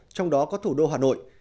trong đó có thủ đô hà nội